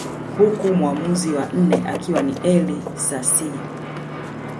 Huku mwamuzi wa nne akiwa ni Elly Sasii